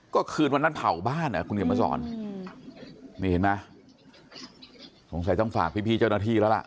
ก็คืนวันนั้นเผาบ้านอ่ะคุณเขียนมาสอนนี่เห็นไหมสงสัยต้องฝากพี่เจ้าหน้าที่แล้วล่ะ